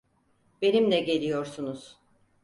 Benimle geliyorsunuz.